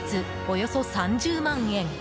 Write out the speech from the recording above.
およそ３０万円。